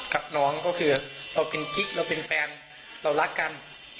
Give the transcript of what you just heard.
กับน้องก็คือเราเป็นคิกเราเป็นแฟนเรารักกัน